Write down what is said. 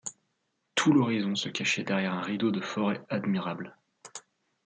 Tout l’horizon se cachait derrière un rideau de forêts admirables.